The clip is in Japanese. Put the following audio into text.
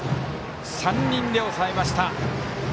３人で抑えました。